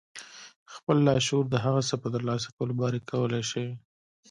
خپل لاشعور د هغه څه په ترلاسه کولو باوري کولای شئ.